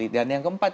dan yang keempat